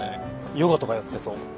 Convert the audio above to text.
ヨガとかやってそう。